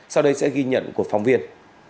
sau đây sẽ ghi nhận của phóng viên